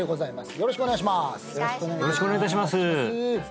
よろしくお願いします